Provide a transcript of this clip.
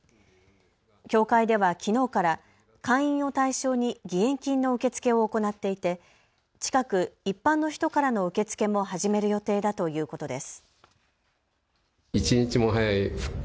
協会ではきのうから会員を対象に義援金の受け付けを行っていて近く一般の人からの受け付けも始める予定だということです。